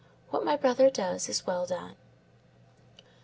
What my brother does is well done."